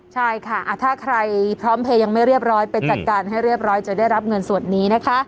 ใช่ค่ะถ้าใครพร้อมเพลย์ยังไม่เรียบร้อยไปจัดการให้เรียบร้อยจะได้รับเงินส่วนนี้นะคะ